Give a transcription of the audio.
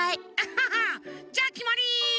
ハハハ！じゃあきまり！